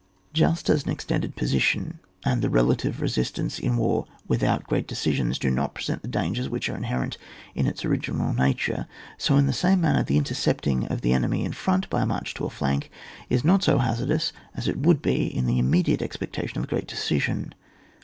Just as an extended position, and the relative resistance in a war without great decisions^ do not present the dangers which are inherent in its original nature, so in the same manner the intercepting the enemy in front by a march to a flank is not so hazardous as it would be in the immediate expectation of a great deci sion.